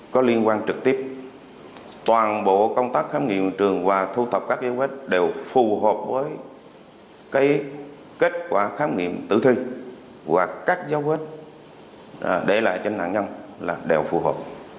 có liên quan trực tiếp toàn bộ công tác khám nghiệm trường và thu thập các giáo huyết đều phù hợp với kết quả khám nghiệm tự thi và các giáo huyết để lại cho nạn nhân đều phù hợp